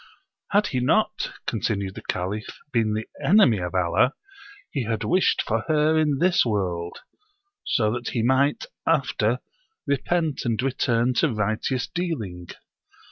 Had he not [continued the Caliph] been the enemy of Allah, he had wished for her in this world; so that he might, after, repent and return to righteous dealing.